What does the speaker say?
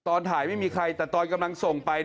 ตอนถ่ายไม่มีใครแต่ตอนกำลังส่งไป